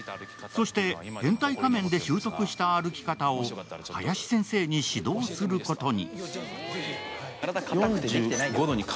そして「変態仮面」で習得した歩き方を林先生に指導することに。